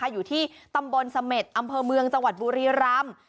อยู่ที่ตำบลเสม็ดอำเภอเมืองจังหวัดบุรีรำ